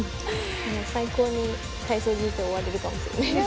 最高に体操人生終われるかもしれないです。